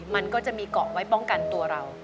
มันก็จะมีเกาะไว้ป้องกันตัวเรา